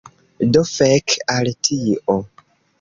Do fek al tio